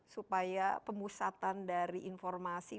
supaya pemusatan dari informasi